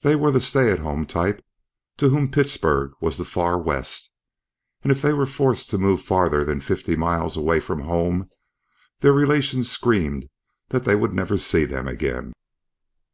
They were the stay at home type, to whom Pittsburgh was the Far West, and if they were forced to move farther than fifty miles away from home, their relations screamed that they would never see them again.